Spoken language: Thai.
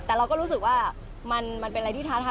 แต่เราก็รู้สึกว่ามันเป็นอะไรที่ท้าทา